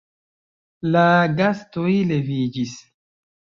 La gastoj leviĝis.